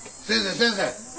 先生！